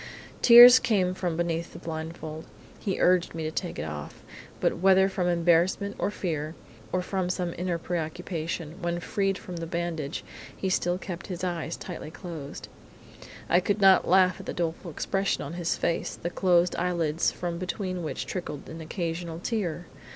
Tears came from beneath the blindfold, he urged me to take it off, but, whether from embarrassment or fear, or from some inner preoccupation, when freed from the bandage he still kept his eyes tightly closed. I could not laugh at the doleful expression of his face, the closed eyelids from between which trickled an occasional tear!